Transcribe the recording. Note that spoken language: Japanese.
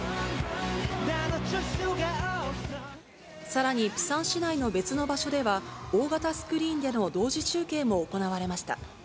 さらに、プサン市内の別の場所では、大型スクリーンでの同時中継も行われました。